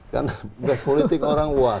karena politik orang wah